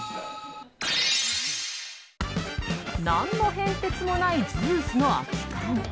何の変哲もないジュースの空き缶。